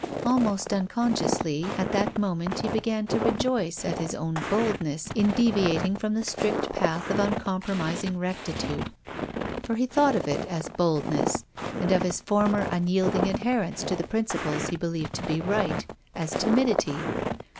Almost unconsciously, at that moment he began to rejoice at his own boldness in deviating from THE GRAVE. I05 the strict path of uncompromising rectitude. For he thought of it as boldness, and of his former unyielding adherence to the principles he believed to be right, as timidity.